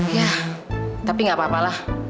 ya tapi gak apa apalah